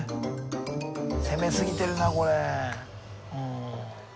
攻めすぎてるなこれ。